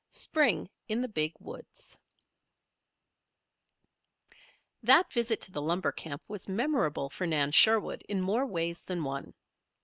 SPRING IN THE BIG WOODS That visit to the lumber camp was memorable for Nan Sherwood in more ways than one.